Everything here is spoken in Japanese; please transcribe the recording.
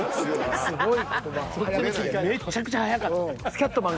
めっちゃくちゃ速かった。